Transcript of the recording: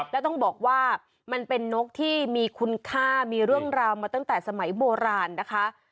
แล้วต้องบอกว่ามันเป็นนกที่มีคุณค่ามีเรื่องราวมาตั้งแต่สมัยโบราณนะคะ